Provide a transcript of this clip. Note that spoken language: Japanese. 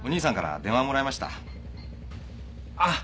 あっ。